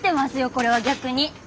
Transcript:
これは逆に。